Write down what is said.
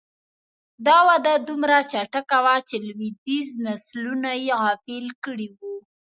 دا وده دومره چټکه وه چې لوېدیځ نسلونه یې غافل کړي وو